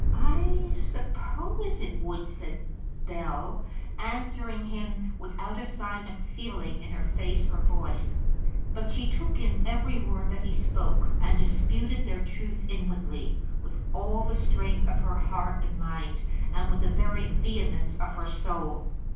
"I suppose it would," said Bell, answering him without a sign of feeling in her face or voice. But she took in every word that he spoke, and disputed their truth inwardly with all the strength of her heart and mind, and with the very vehemence of her soul.